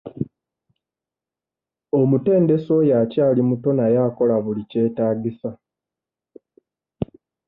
Omutendesi oyo akyali muto naye akola buli kyetaagisa.